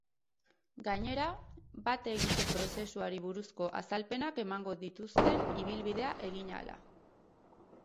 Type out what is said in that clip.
Gainera, bat-egite prozesuari buruzko azalpenak emango dituzten ibilbidea egin ahala.